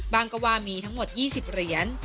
ก็ว่ามีทั้งหมด๒๐เหรียญ